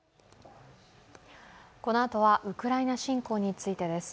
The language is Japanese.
このあとはウクライナ侵攻についてです。